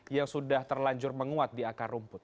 yang sudah terlanjur menguat di akar rumput